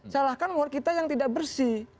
salahkan war kita yang tidak bersih